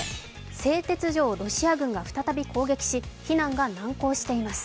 製鉄所をロシア軍が再び攻撃し避難が難航しています。